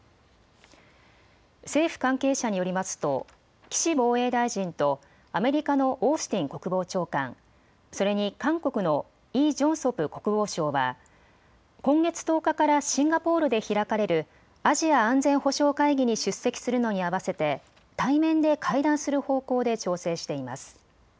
政府関係者によりますと岸防衛大臣とアメリカのオースティン国防長官、それに韓国のイ・ジョンソプ国防相は今月１０日からシンガポールで開かれるアジア安全保障会議に出席するのに合わせて対面で会談する方向で調整しています。